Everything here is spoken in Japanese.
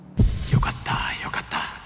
よかったよかった。